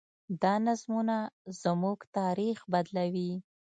دا نظمونه زموږ تاریخ بدلوي.